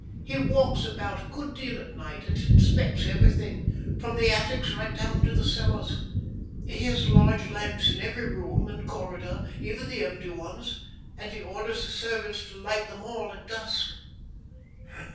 He walks about a good deal at night, and inspects everything, from the attics right down to the cellars. He has large lamps in every room and corridor, even the empty ones, and he orders the servants to light them all at dusk."